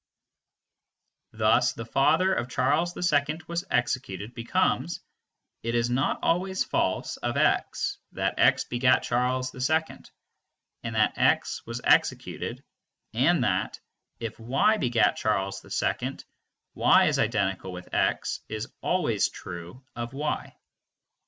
Thus "the father of Charles II was executed" becomes: "It is not always false of x that x begat Charles II and that x was executed and that 'if y begat Charles II, y is identical with x' is always true of y."